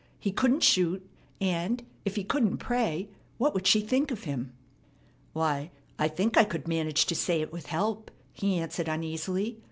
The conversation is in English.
He couldn't shoot; and, if he couldn't pray, what would she think of him? "Why, I think I could manage to say it with help," he answered uneasily.